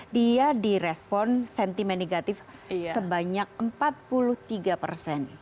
dia direspon sentimen negatif sebanyak empat puluh tiga persen